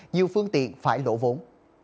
nhiều phương tiện phải lỗ vốn